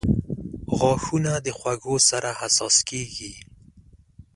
• غاښونه د خوږو سره حساس کیږي.